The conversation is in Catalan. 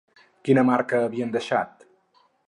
Quina marca havien deixat?